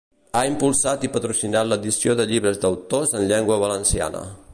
Ha impulsat i patrocinat l'edició de llibres d'autors en Llengua Valenciana.